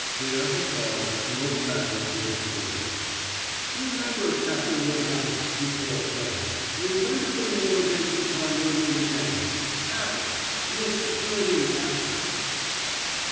There he paused and looked back over his shoulder. "Remember, Captain Woodhouse," he called back. "Remember the name against the time we'll meet again. Capper Mr. William Capper."